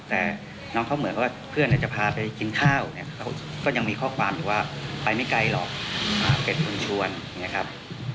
แต่น้องเขาเหมือนกับว่าเพื่อนจะพาไปกินข้าวเนี่ยก็ยังมีข้อความอยู่ว่าไปไม่ไกลหรอกเป็นคนชวนนะครับ